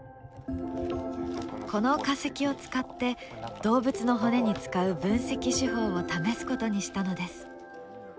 この化石を使って動物の骨に使う分析手法を試すことにしたのです。